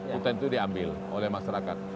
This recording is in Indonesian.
hutan itu diambil oleh masyarakat